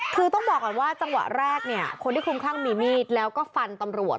คือต้องบอกก่อนว่าจังหวะแรกเนี่ยคนที่คลุมคลั่งมีมีดแล้วก็ฟันตำรวจ